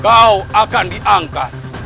kau akan diangkat